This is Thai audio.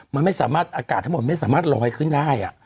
มันไม่สามารถอากาศทั้งหมดไม่สามารถลอยขึ้นได้